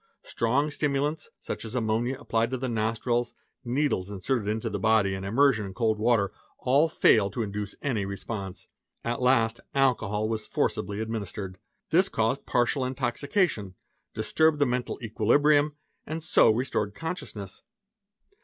Strong stimulants, such as ammonia applied to the nostrils, ~ needles inserted into the body, and immersion in cold water, all failed to induce any response. At last alcohol was forcibly administered. 'This caused partial intoxication, disturbed the mental equilibrium, and so restored consciousness.